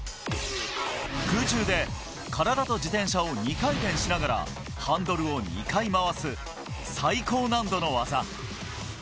空中で体と自転車を２回転しながらハンドルを２回回す、最高難度の技。